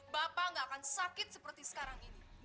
bapak nggak akan sakit seperti sekarang ini